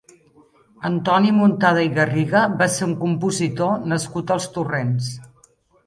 Antoni Muntada i Garriga va ser un compositor nascut als Torrents.